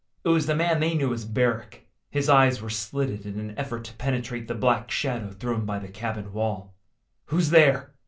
It was the man they knew as Barrack. His eyes were slitted in an effort to penetrate the black shadow thrown by the cabin wall. "Who's there?"